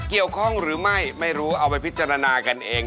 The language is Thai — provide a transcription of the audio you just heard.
เกี่ยวข้องหรือไม่ไม่รู้เอาไปพิจารณากันเอง